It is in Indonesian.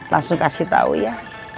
langsung kasih tau ya